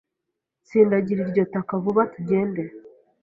Tsindagira iryo taka vuba tugende